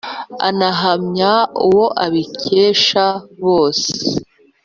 anahamya uwo abikesha bose